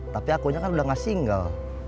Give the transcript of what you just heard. tapi aku nya kan udah gak single